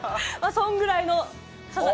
そんぐらいの。